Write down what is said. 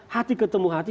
hati ketemu hati